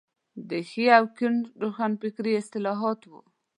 د ښي او کيڼ روښانفکري اصطلاحات وو.